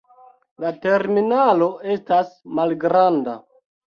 La terminalo estas malgranda.